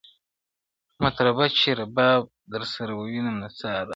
مطربه چي رباب درسره وینم نڅا راسي.!